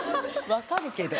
分かるけど。